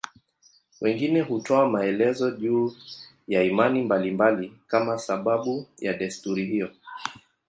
Wengine hutoa maelezo juu ya imani mbalimbali kama sababu ya desturi hiyo.